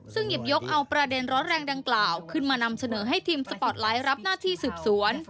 ซึ่งหยิบยกเอาประเด็นร้อนแรงดังกล่าวขึ้นมานำเสนอให้ทีมสปอร์ตไลท์รับหน้าที่สืบสวน